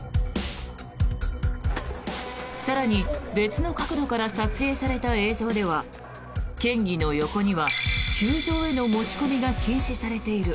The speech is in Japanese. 更に、別の角度から撮影された映像では県議の横には球場への持ち込みが禁止されている